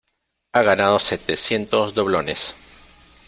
¡ ha ganado setecientos doblones!